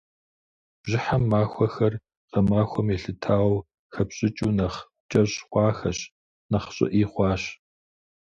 Бжьыхьэм махуэхэр, гъэмахуэм елъытауэ, хэпщӏыкӏыу нэхъ кӏэщӏ хъуахэщ, нэхъ щӏыӏи хъуащ.